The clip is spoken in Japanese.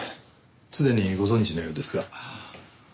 すでにご存じのようですが。